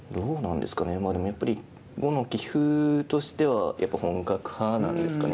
でもやっぱり碁の棋風としては本格派なんですかね。